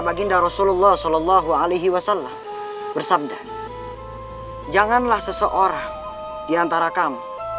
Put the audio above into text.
baginda rasulullah shallallahu alaihi wasallam bersabda janganlah seseorang diantara kamu